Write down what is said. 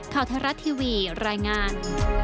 ข่าวเทศรัตน์ทีวีรายงาน